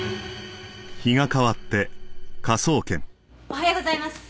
おはようございます。